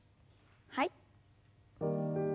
はい。